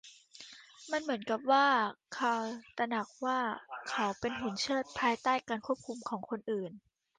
มันเหมือนกับว่าคาร์ลตระหนักว่าเขาเป็นหุ่นเชิดภายใต้การควบคุมของคนอื่น